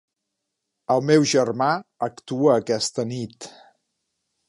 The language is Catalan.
El meu germà actua aquesta nit.